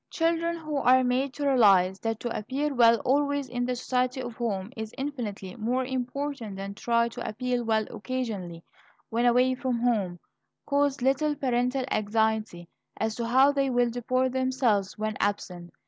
Children who are made to realize that to appear well always in the society of home is infinitely more important than to try to appear well occasionally when away from home, cause little parental anxiety as to how they will deport themselves when absent.